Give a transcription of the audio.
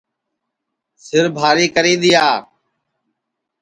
سِربھاری کری دؔیا